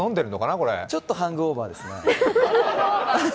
これちょっとハング・オーバーですね。